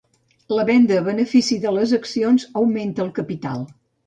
La venda a benefici de les accions augmenta el capital.